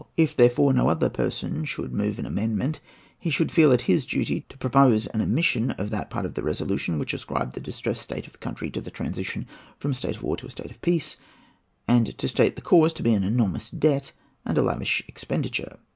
If, therefore, no other person should move an amendment, he should feel it his duty to propose an omission of that part of the resolution which ascribed the distressed state of the country to the transition from a state of war to a state of peace, and to state the cause to be an enormous debt, and a lavish expenditure.